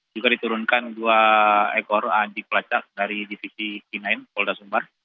juga diturunkan dua ekor anji pelacak dari divisi kinain polda sumbar